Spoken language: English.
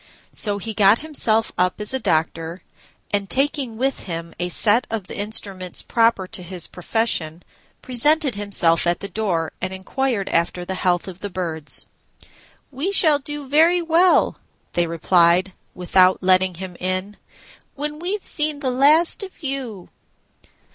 So he got himself up as a doctor, and, taking with him a set of the instruments proper to his profession, presented himself at the door, and inquired after the health of the Birds. "We shall do very well," they replied, without letting him in, "when we've seen the last of you."